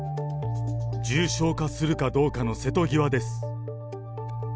重症化するかどうかの瀬戸際です。